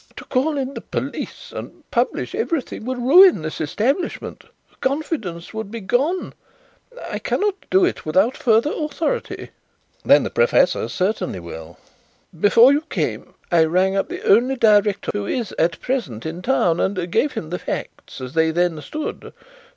"To call in the police and publish everything would ruin this establishment confidence would be gone. I cannot do it without further authority." "Then the professor certainly will." "Before you came I rang up the only director who is at present in town and gave him the facts as they then stood.